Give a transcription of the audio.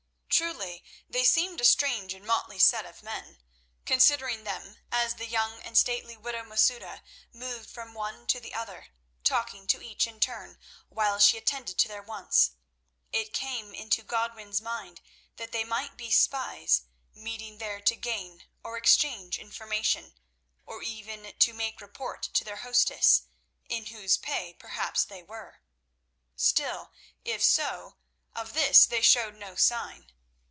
Truly they seemed a strange and motley set of men. Considering them as the young and stately widow Masouda moved from one to the other, talking to each in turn while she attended to their wants, it came into Godwin's mind that they might be spies meeting there to gain or exchange information, or even to make report to their hostess, in whose pay perhaps they were. Still if so, of this they showed no sign.